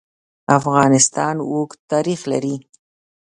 افغانستان اوږد تاریخ لري.